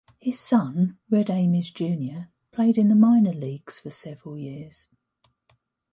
His son, Red Ames Junior, played in the minor leagues for several years.